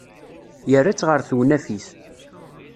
Yerra-tt ɣer tewnafit.